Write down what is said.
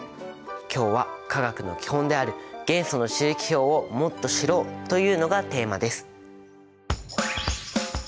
今日は化学の基本である元素の周期表をもっと知ろうというのがテーマです。